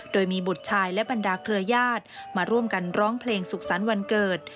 โดยมีบุตรชายและบรรดาเครือญาติมาร่วมกันร้องเพลงสุขสรรค์วันเกิด